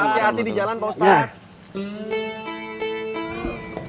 hati hati di jalan pak ustadz